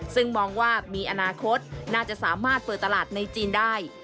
ซึ่งมองว่ามีอนาคตน่าจะสามารถเปิดตลาดในจีนได้